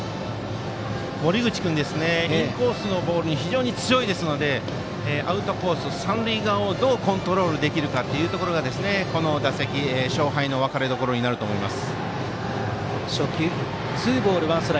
森口君、インコースのボールに強いのでアウトコース、三塁側をどうコントロールできるかがこの打席勝敗の分かれどころだと思います。